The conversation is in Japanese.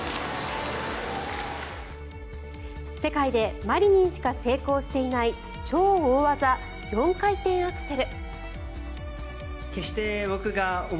世界でマリニンしか成功していない超大技４回転アクセル。